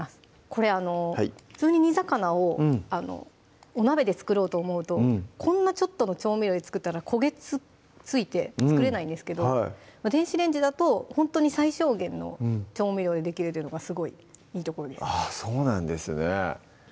これ普通に煮魚をお鍋で作ろうと思うとこんなちょっとの調味料で作ったら焦げついて作れないんですけど電子レンジだとほんとに最小限の調味料でできるというのがすごいいいところですあっそうなんですね